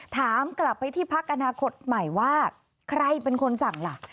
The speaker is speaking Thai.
ถามกลับไปที่พักอนาคตใหม่ว่าใครเป็นคนสั่งล่ะ